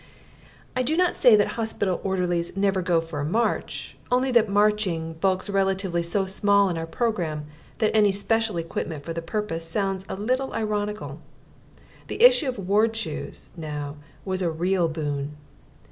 I do not say that hospital orderlies never go for a march: only that marching bulks relatively so small in our programme that any special equipment for the purpose sounds a little ironical. The issue of ward shoes, now, was a real boon.